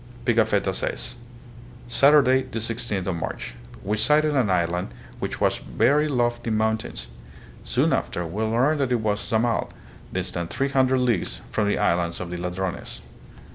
Pigafetta says: "Saturday, the 16th of March, we sighted an island which has very lofty moun tains. Soon after we learned that it was Zamal, distant three hundred leagues from the islands of the Ladrones."